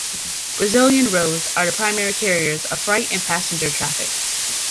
Brazilian roads are the primary carriers of freight and passenger traffic.